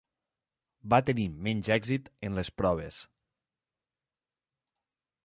Va tenir menys èxit en les proves.